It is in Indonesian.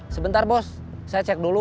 sebentar bos saya cek dulu